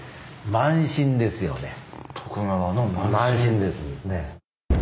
慢心ですね。